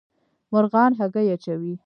مرغان هګۍ اچوي